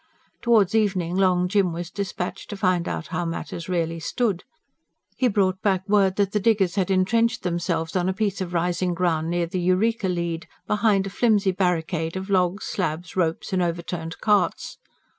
Towards evening Long Jim was dispatched to find out how matters really stood. He brought back word that the diggers had entrenched themselves on a piece of rising ground near the Eureka lead, behind a flimsy barricade of logs, slabs, ropes and overturned carts.